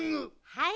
はい？